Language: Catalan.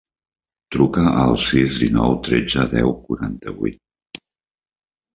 Truca al sis, dinou, tretze, deu, quaranta-vuit.